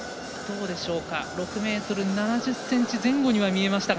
６ｍ７０ｃｍ前後には見えましたが。